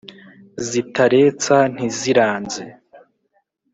zitaretsa ntiziranze